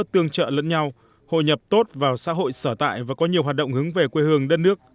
tương trợ lẫn nhau hội nhập tốt vào xã hội sở tại và có nhiều hoạt động hướng về quê hương đất nước